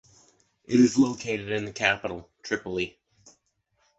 It is located in the capital, Tripoli.